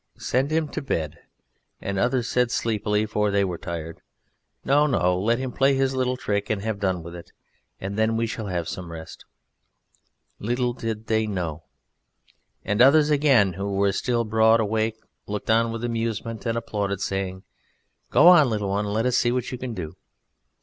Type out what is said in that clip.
send him to bed!" And others said sleepily (for they were tired), "No! no! let him play his little trick and have done with it, and then we shall have some rest." Little did they know!... And others again, who were still broad awake, looked on with amusement and applauded, saying: "Go on, little one! Let us see what you can do."